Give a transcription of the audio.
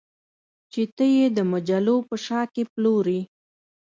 چې ته یې د مجلو په شا کې پلورې